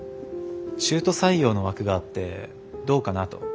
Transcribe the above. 中途採用の枠があってどうかなと。